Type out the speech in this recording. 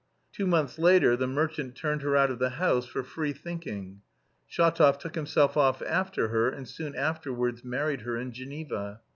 Two months later the merchant turned her out of the house for "free thinking." Shatov took himself off after her and soon afterwards married her in Geneva.